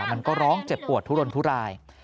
มันก็ร้องเจ็บปวดทุรนทุราย